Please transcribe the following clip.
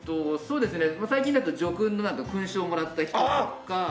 そうですね最近だと叙勲のなんか勲章をもらった人とか。